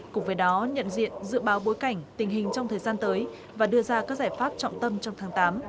cùng với đó nhận diện dự báo bối cảnh tình hình trong thời gian tới và đưa ra các giải pháp trọng tâm trong tháng tám